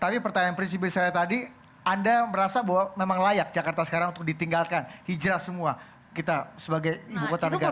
tapi pertanyaan prinsip saya tadi anda merasa bahwa memang layak jakarta sekarang untuk ditinggalkan hijrah semua kita sebagai ibu kota negara